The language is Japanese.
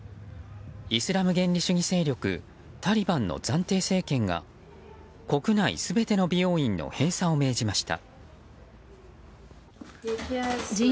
イスラム原理主義勢力タリバンの暫定政権が国内全ての美容院の閉鎖を命じました。